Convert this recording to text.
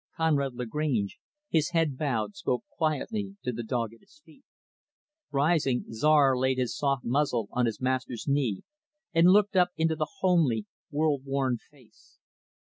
Conrad Lagrange, his head bowed, spoke quietly to the dog at his feet. Rising, Czar laid his soft muzzle on his master's knee and looked up into the homely, world worn face.